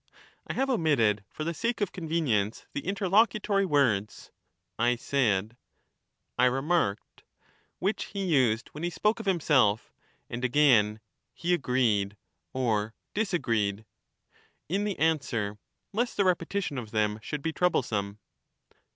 I have omitted, for the sake of convenience, the interlocutory words 'I said,* 'I remarked,* which he used when he spoke of himself, and again, ' he agreed,' or ' dis agreed,' in the answer, lest the repetition of them should be troublesome.